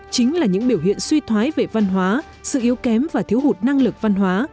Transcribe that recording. chính là những biểu hiện suy thoái về văn hóa sự yếu kém và thiếu hụt năng lực văn hóa